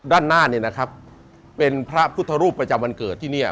ด้านหน้าเนี่ยนะครับเป็นพระพุทธรูปประจำวันเกิดที่เนี่ย